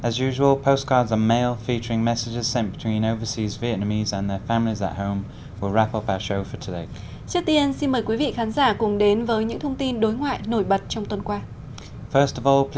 trước tiên xin mời quý vị khán giả cùng đến với những thông tin đối ngoại nổi bật trong tuần qua